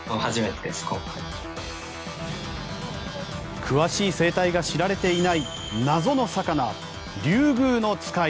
詳しい生態が知られていない謎の魚リュウグウノツカイ。